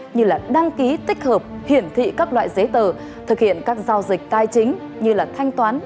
như là đăng ký tích hợp hiển thị các loại giấy tờ thực hiện các giao dịch tài chính như thanh toán